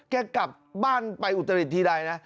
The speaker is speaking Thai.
แกกลับบ้านไปอุตรดิษฐีใดนะ